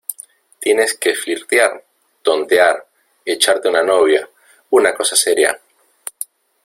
tienes que flirtear, tontear , echarte una novia , una cosa seria.